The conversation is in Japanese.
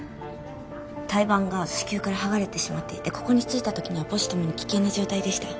胎盤が子宮から剥がれてしまっていてここに着いた時には母子ともに危険な状態でした。